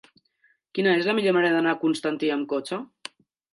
Quina és la millor manera d'anar a Constantí amb cotxe?